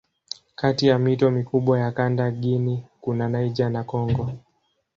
Kati ya mito mikubwa ya kanda Guinea kuna Niger na Kongo.